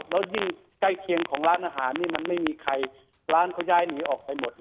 แล้วยิ่งใกล้เคียงของร้านอาหารนี่มันไม่มีใครร้านเขาย้ายหนีออกไปหมด